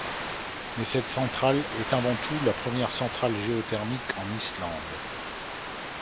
Mais cette centrale est avant tout la première centrale géothermique en Islande.